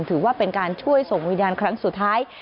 ถือว่าเป็นการช่วยส่งวิญญาณครั้งสุดท้าย